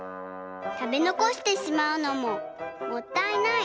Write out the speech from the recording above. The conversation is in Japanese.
たべのこしてしまうのももったいない。